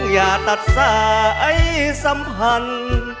อย่าตัดสายสัมพันธ์